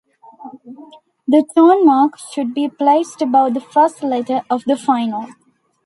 The tone mark should be placed above the first letter of the final.